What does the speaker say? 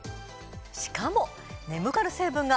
しかも。